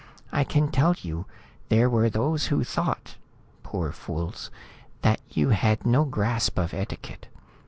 I can tell you, there were those who thought poor fools that you had no grasp of etiquette.